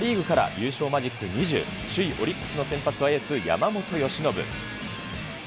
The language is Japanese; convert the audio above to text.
優勝マジック２０、首位オリックスの先発は、エース、山本由伸。